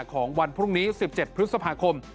ของวันพรุ่งนี้๑๗พฤษภาคม